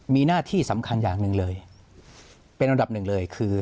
มีหน้าที่สำคัญอย่างหนึ่งเลยเป็นอันดับหนึ่งเลยคือ